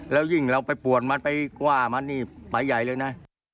แล้วยิ่งเราไปป่วนมันไปว่ามันนี่ไปใหญ่เลยนะ